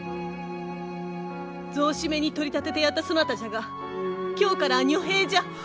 雑仕女に取り立ててやったそなたじゃが今日からは女兵じゃ。